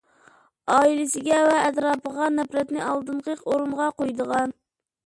ئائىلىسىگە ۋە ئەتراپىغا نەپرەتنى ئالدىنقى ئورۇنغا قويىدىغان.